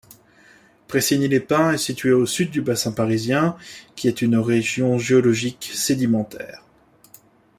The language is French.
Pressigny-les-Pins est située au sud du bassin parisien qui est une région géologique sédimentaire.